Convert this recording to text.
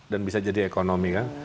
dan bisa jadi ekonomi kan